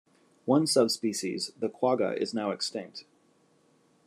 One subspecies, the quagga, is now extinct.